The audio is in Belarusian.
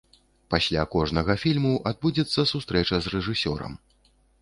Пасля кожнага фільму адбудзецца сустрэча з рэжысёрам.